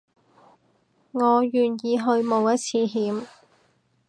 我願意去冒一次險